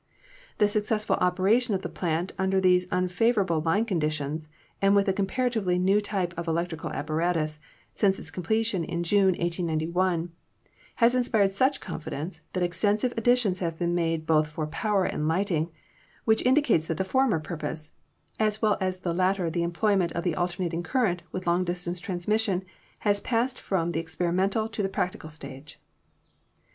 The successful operation of the plant under these un favorable line conditions, and with a comparatively new type of electric apparatus, since its completion in June, 1891, has inspired such confidence that extensive additions have been made both for power and lighting, which indi cates that for the former purpose as well as the latter the employment of the alternating current with long distance transmission has passed from the experimental to the practical stage."